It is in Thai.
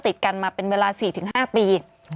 ติดกันมาเป็นเวลา๔๕ปี